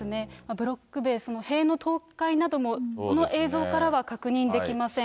ブロック塀、塀の倒壊なども、この映像からは確認できません。